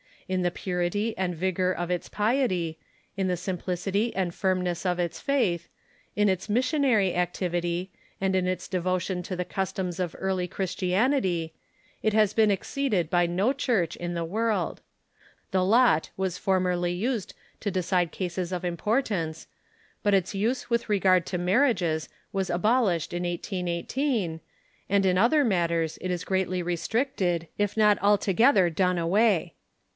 In the purity and vigor of its piet}'', in the simplicity and firmness of its faith, in its missionary activity, and in its devotion to the customs of early Christianity, it has been exceeded by no Church in the Avorld. The lot was formerly used to decide cases of impor ALEXANDER CAMPBELL AND THE DISCIPLES OF CHRIST oo" tance, but its use with regard to marriages was abolished in 1818, and in otlier matters it is greatly restricted, if not alto gether done away.